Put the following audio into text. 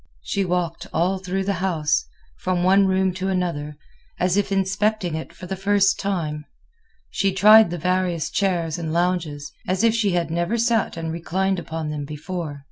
She walked all through the house, from one room to another, as if inspecting it for the first time. She tried the various chairs and lounges, as if she had never sat and reclined upon them before.